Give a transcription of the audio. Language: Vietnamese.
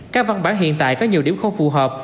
các văn bản hiện tại có nhiều điểm không phù hợp